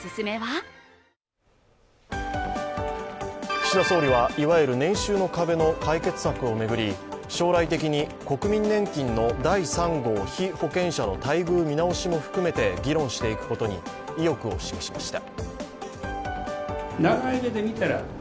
岸田総理は、いわゆる年収の壁の解決策を巡り、将来的に国民年金の第３号被保険者の待遇見直しも含めて議論していくことに意欲を示しました。